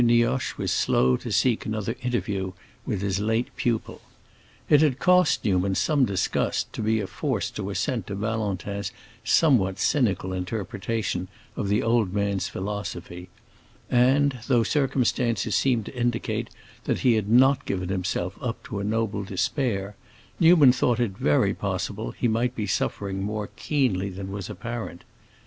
Nioche was slow to seek another interview with his late pupil. It had cost Newman some disgust to be forced to assent to Valentin's somewhat cynical interpretation of the old man's philosophy, and, though circumstances seemed to indicate that he had not given himself up to a noble despair, Newman thought it very possible he might be suffering more keenly than was apparent.